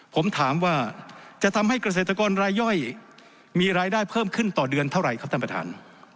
ผมถามว่าจะทำให้เกษตรกรรายย่อยมีรายได้เพิ่มขึ้นต่อเดือนเท่าไหร่ครับท่านประธาน